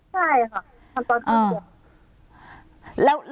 ใช่ค่ะทำตอนเข้าเรียน